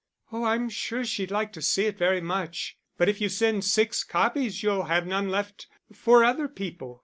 "Oh, I'm sure she'd like to see it very much. But if you send six copies you'll have none left for other people."